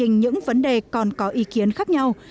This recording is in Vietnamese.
trên trình những vấn đề còn có ý kiến khác nhau